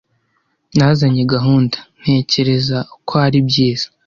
Nazanye gahunda. Ntekereza ko ari byiza.